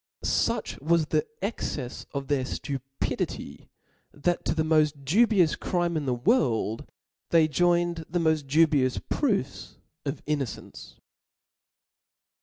Such wa^ the the excefs of their (lupidity, that to the mod dubious crime in the world, they joined the moil dubious proofs of innocence.